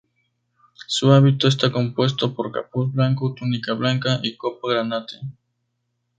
Su hábito está compuesto por capuz blanco, túnica blanca y capa granate.